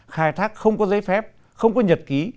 khai thác không có giấy phép không có nhật ký